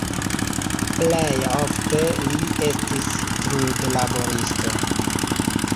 Plej ofte li estis trudlaboristo.